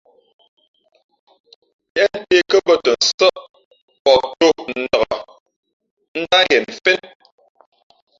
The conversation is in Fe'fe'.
Līēʼ ntě kά bᾱ tα nsά, pαh tō nlak ndáh ngen mfén.